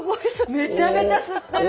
めちゃめちゃ吸ってる！